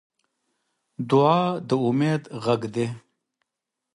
دعا د امید غږ دی.